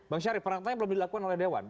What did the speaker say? bang sarif peranatanya belum dilakukan oleh dewan